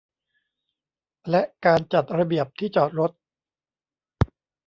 และการจัดระเบียบที่จอดรถ